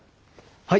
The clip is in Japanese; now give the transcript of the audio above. はい。